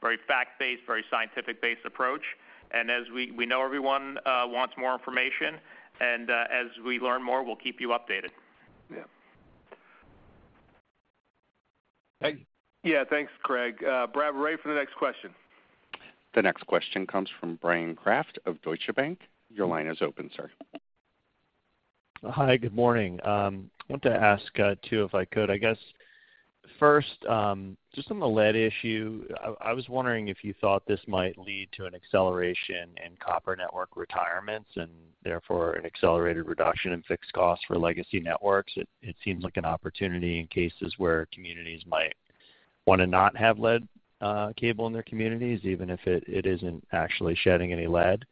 very fact-based, very scientific-based approach. As we know, everyone, wants more information, and, as we learn more, we'll keep you updated. Yeah. Yeah. Thanks, Craig. Brad, we're ready for the next question. The next question comes from Bryan Kraft of Deutsche Bank. Your line is open, sir. Hi, good morning. I want to ask two, if I could. I guess first, just on the lead issue, I was wondering if you thought this might lead to an acceleration in copper network retirements and therefore an accelerated reduction in fixed costs for legacy networks. It seems like an opportunity in cases where communities might want to not have lead cable in their communities, even if it isn't actually shedding any lead.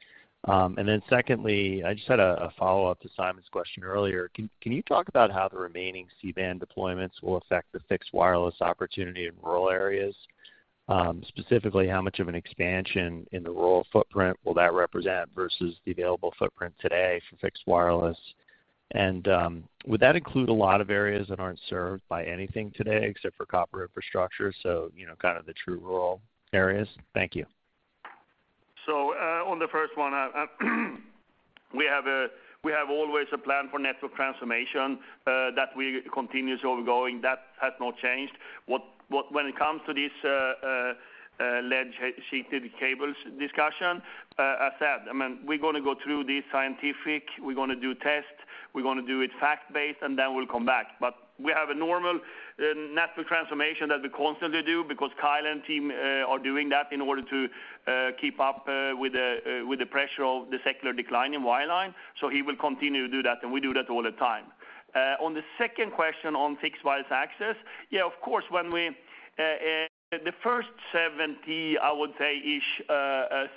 Secondly, I just had a follow-up to Simon's question earlier. Can you talk about how the remaining C-band deployments will affect the Fixed Wireless opportunity in rural areas? Specifically, how much of an expansion in the rural footprint will that represent versus the available footprint today for Fixed Wireless? Would that include a lot of areas that aren't served by anything today except for copper infrastructure, so you know, kind of the true rural areas? Thank you. On the first one, we have always a plan for network transformation that we continues ongoing. That has not changed. When it comes to this lead sheathed cable discussion, as said, I mean, we're gonna go through this scientific, we're gonna do tests, we're gonna do it fact-based, and then we'll come back. We have a normal network transformation that we constantly do because Kyle and team are doing that in order to keep up with the pressure of the secular decline in wireline. He will continue to do that, and we do that all the time. On the second question, on Fixed Wireless Access, of course, when we, the first 70, I would say,-ish,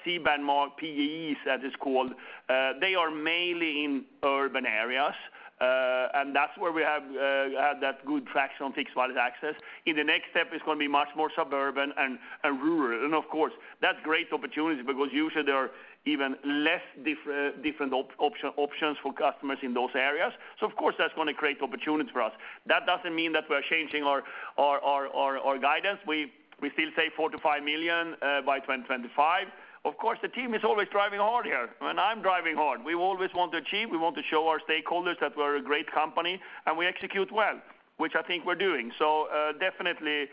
C-band more PEAs, as it's called, they are mainly in urban areas. That's where we have had that good traction on Fixed Wireless Access. In the next step, it's gonna be much more suburban and rural. Of course, that's great opportunity because usually there are even less different options for customers in those areas. Of course, that's gonna create opportunity for us. That doesn't mean that we're changing our guidance. We still say 4 million-5 million by 2025. Of course, the team is always driving hard here, and I'm driving hard. We always want to achieve. We want to show our stakeholders that we're a great company, and we execute well, which I think we're doing. Definitely,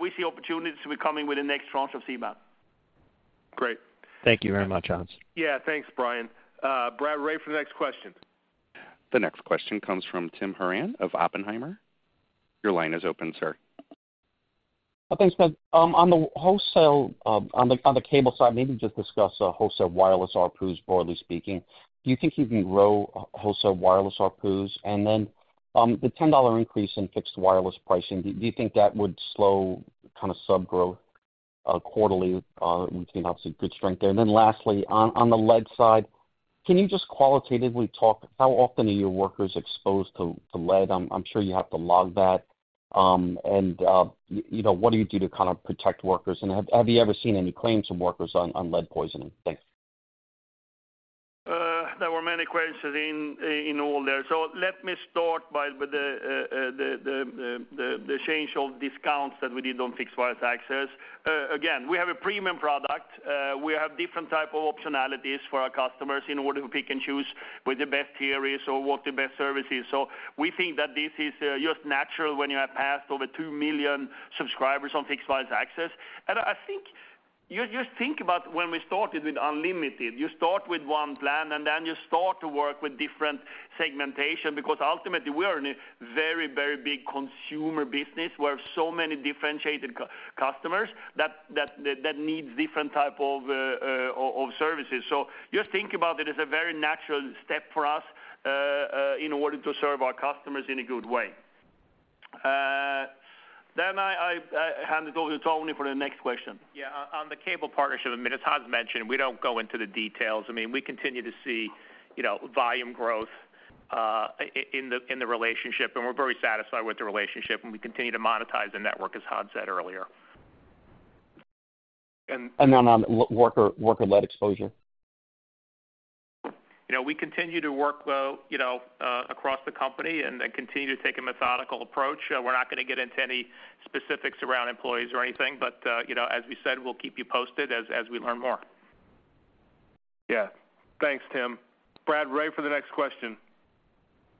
we see opportunities to be coming with the next tranche of C-band. Great. Thank you very much, Hans. Yeah, thanks, Bryan. Brad, ready for the next question. The next question comes from Tim Horan of Oppenheimer. Your line is open, sir. Thanks, Brad. On the wholesale, on the cable side, maybe just discuss the wholesale wireless ARPUs, broadly speaking. Do you think you can grow wholesale wireless ARPUs? The $10 increase in Fixed Wireless pricing, do you think that would slow kind of sub growth, quarterly? We've seen, obviously, good strength there. Lastly, on the lead side, can you just qualitatively talk how often are your workers exposed to lead? I'm sure you have to log that. You know, what do you do to kind of protect workers? Have you ever seen any claims from workers on lead poisoning? Thanks. There were many questions in all there. Let me start with the change of discounts that we did on Fixed Wireless Access. Again, we have a premium product. We have different type of optionalities for our customers in order to pick and choose what the best tier is or what the best service is. We think that this is just natural when you have passed over 2 million subscribers on Fixed Wireless Access. I think, you just think about when we started with unlimited, you start with 1 plan, and then you start to work with different segmentation, because ultimately, we are in a very, very big consumer business, where so many differentiated customers that needs different type of services. Just think about it as a very natural step for us, in order to serve our customers in a good way. I hand it over to Tony for the next question. On the cable partnership, I mean, as Hans mentioned, we don't go into the details. I mean, we continue to see, you know, volume growth, in the relationship, and we're very satisfied with the relationship, and we continue to monetize the network, as Hans said earlier. on worker lead exposure. You know, we continue to work well, you know, across the company and continue to take a methodical approach. We're not gonna get into any specifics around employees or anything, but, you know, as we said, we'll keep you posted as we learn more. Yeah. Thanks, Tim. Brad, ready for the next question.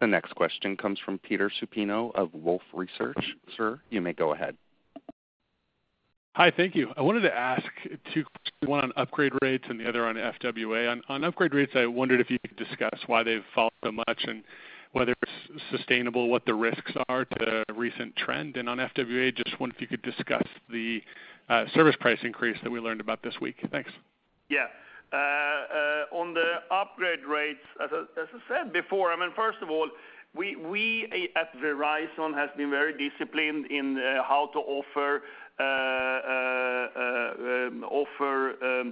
The next question comes from Peter Supino of Wolfe Research. Sir, you may go ahead. Hi, thank you. I wanted to ask two questions, one on upgrade rates and the other on FWA. On upgrade rates, I wondered if you could discuss why they've fallen so much and whether it's sustainable, what the risks are to recent trend? On FWA, just wonder if you could discuss the service price increase that we learned about this week. Thanks. Yeah. on the upgrade rates, as I said before, I mean, first of all, we at Verizon has been very disciplined in how to offer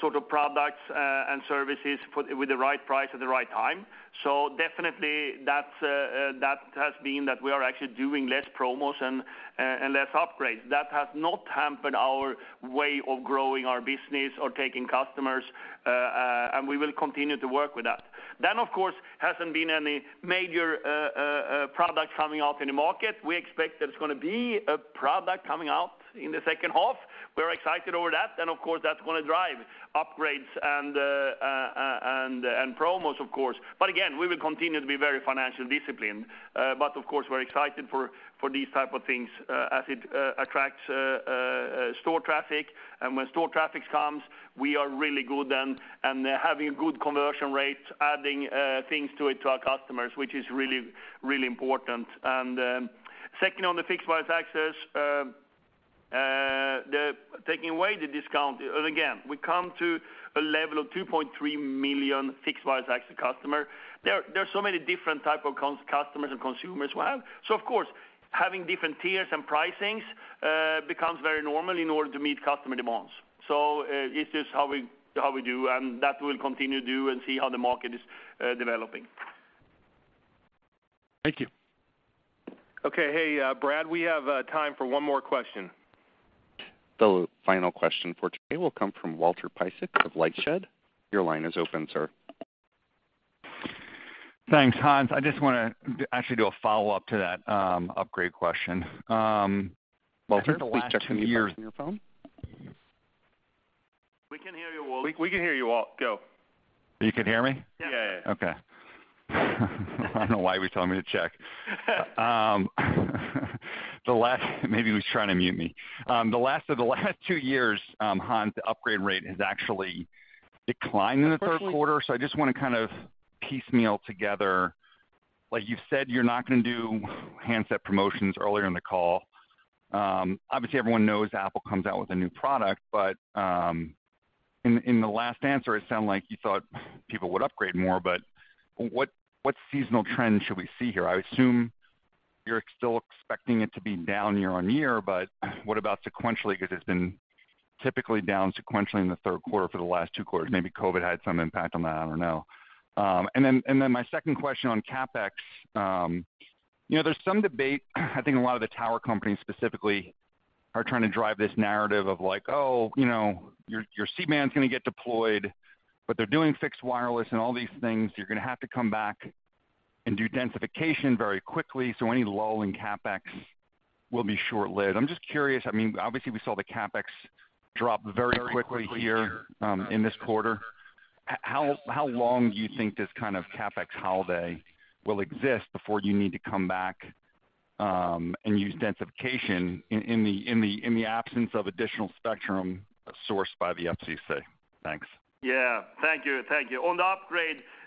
sort of products and services with the right price at the right time. Definitely, that's that has been that we are actually doing less promos and less upgrades. That has not hampered our way of growing our business or taking customers, and we will continue to work with that. Of course, hasn't been any major product coming out in the market. We expect that it's gonna be a product coming out in the H2. We're excited over that, and of course, that's gonna drive upgrades and promos, of course. Again, we will continue to be very financially disciplined. Of course, we're excited for these type of things as it attracts store traffic. When store traffic comes, we are really good and having a good conversion rate, adding things to our customers, which is really, really important. Second, on the Fixed Wireless Access, the taking away the discount, and again, we come to a level of 2.3 million Fixed Wireless Access customers. There are so many different type of customers and consumers we have. Of course, having different tiers and pricings becomes very normal in order to meet customer demands. It's just how we do, and that we'll continue to do and see how the market is developing. Thank you. Okay. Hey, Brad, we have time for one more question. The final question for today will come from Walter Piecyk of LightShed. Your line is open, sir.... Thanks, Hans. I just wanna actually do a follow-up to that, upgrade question. Well, I heard the last 2 years- Can you unmute your phone? We can hear you, Walt. We can hear you, Walt. Go. You can hear me? Yeah. Yeah. Okay. I don't know why he was telling me to check. The last maybe he was trying to mute me. The last of the last two years, Hans, the upgrade rate has actually declined in the third quarter. I just wanna kind of piecemeal together, like you said, you're not gonna do handset promotions earlier in the call. Obviously, everyone knows Apple comes out with a new product, but in the last answer, it sounded like you thought people would upgrade more, but what seasonal trends should we see here? I assume you're still expecting it to be down year-on-year, but what about sequentially? Because it's been typically down sequentially in the third quarter for the last two quarters. Maybe COVID had some impact on that, I don't know. And then my second question on CapEx. you know, there's some debate, I think a lot of the tower companies specifically, are trying to drive this narrative of like, oh, you know, your C-band is going to get deployed, but they're doing fixed wireless and all these things. You're going to have to come back and do densification very quickly, so any lull in CapEx will be short-lived. I'm just curious, I mean, obviously, we saw the CapEx drop very quickly here in this quarter. How long do you think this kind of CapEx holiday will exist before you need to come back and use densification in the absence of additional spectrum sourced by the FCC? Thanks. Yeah. Thank you. Thank you. On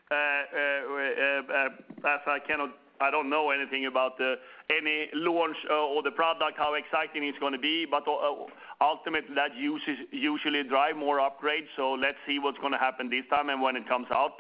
the upgrade, I don't know anything about any launch or the product, how exciting it's gonna be, but ultimately, that uses usually drive more upgrades, so let's see what's gonna happen this time and when it comes out.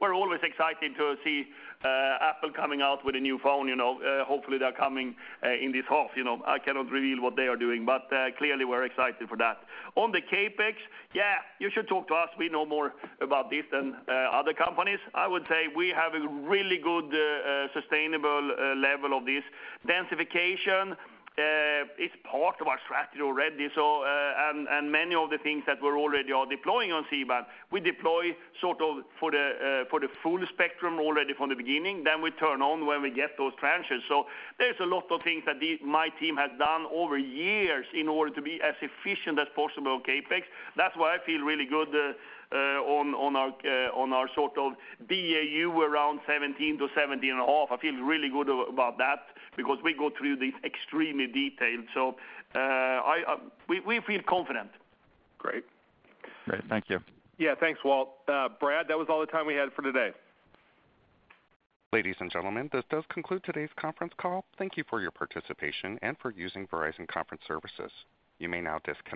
We're always excited to see Apple coming out with a new phone, you know, hopefully, they're coming in this half. You know, I cannot reveal what they are doing, but clearly, we're excited for that. On the CapEx, yeah, you should talk to us. We know more about this than other companies. I would say we have a really good, sustainable, level of this. Densification is part of our strategy already, so, and many of the things that we're already are deploying on C-band, we deploy sort of for the full spectrum already from the beginning, then we turn on when we get those trenches. There's a lot of things that my team has done over years in order to be as efficient as possible on CapEx. That's why I feel really good on our, on our sort of BAU around 17 to seventeen and a half. I feel really good about that because we go through this extremely detailed. I, we feel confident. Great. Great. Thank you. Yeah, thanks, Walt. Brad, that was all the time we had for today. Ladies and gentlemen, this does conclude today's conference call. Thank you for your participation and for using Verizon Conference Services. You may now disconnect.